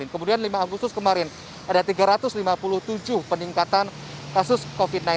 kemudian lima agustus kemarin ada tiga ratus lima puluh tujuh peningkatan kasus covid sembilan belas